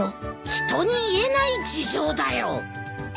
人に言えない事情だよ。